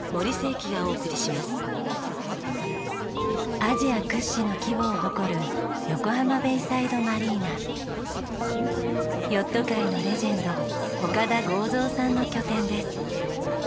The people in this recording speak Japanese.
アジア屈指の規模を誇るヨット界のレジェンド岡田豪三さんの拠点です。